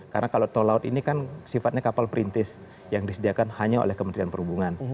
karena kalau tol laut ini kan sifatnya kapal perintis yang disediakan hanya oleh kementerian perhubungan